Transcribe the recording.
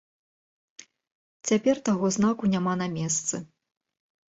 Цяпер таго знаку няма на месцы.